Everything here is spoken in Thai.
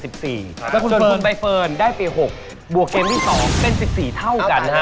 จนคุณไปเฟิร์นได้ไป๖บวกเกมที่๒เป็น๑๔เท่ากันนะฮะ